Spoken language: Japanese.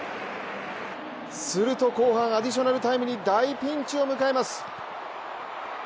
すると後半、アディショナルタイムに大ピンチを迎えます。